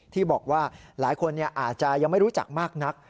ที่บอกว่าหลายคนอาจจะยังไม่รู้จักมากนัก